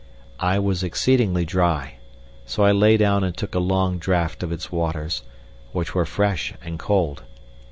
I was exceedingly dry, so I lay down and took a long draught of its waters, which were fresh and cold.